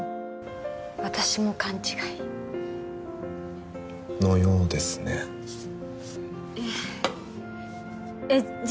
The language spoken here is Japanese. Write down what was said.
私も勘違い？のようですねえっじゃ